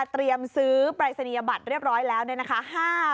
เตรียมซื้อปรายศนียบัตรเรียบร้อยแล้วเนี่ยนะคะ